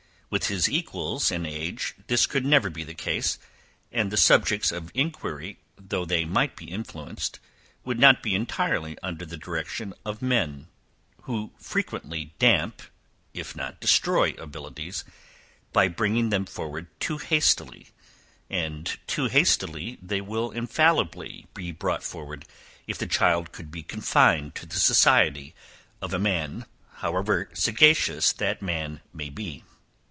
With his equals in age this could never be the case, and the subjects of inquiry, though they might be influenced, would not be entirely under the direction of men, who frequently damp, if not destroy abilities, by bringing them forward too hastily: and too hastily they will infallibly be brought forward, if the child could be confined to the society of a man, however sagacious that man may be.